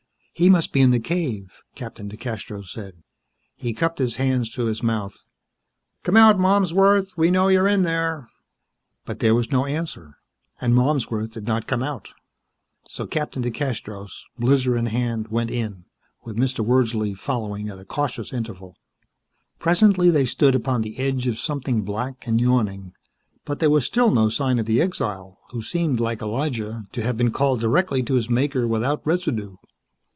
"He must be in the cave," Captain DeCastros said. He cupped his hands to his mouth. "Come out, Malmsworth, we know you're in there!" But there was no answer, and Malmsworth did not come out, so Captain DeCastros, blizzer in hand, went in, with Mr. Wordsley following at a cautious interval. Presently they stood upon the edge of something black and yawning, but there was still no sign of the exile, who seemed, like Elijah, to have been called directly to his Maker without residue.